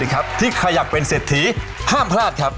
ใครที่ใครอยากเป็นเศรษฐีห้ามพลาดครับ